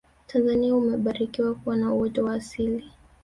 tanzania imebarikiwa kuwa na uoto wa asili